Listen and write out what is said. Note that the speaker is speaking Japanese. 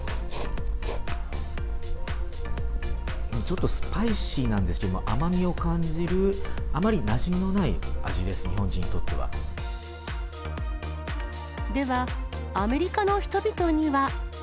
ちょっとスパイシーなんですけど、甘みを感じる、あまりなじみのなでは、アメリカの人々には。